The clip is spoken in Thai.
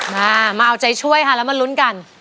มามาเอาใจช่วยค่ะแล้วมาลุ้นกัน